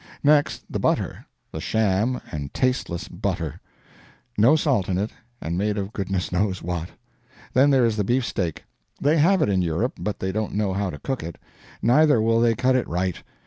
Next, the butter the sham and tasteless butter; no salt in it, and made of goodness knows what. Then there is the beefsteak. They have it in Europe, but they don't know how to cook it. Neither will they cut it right.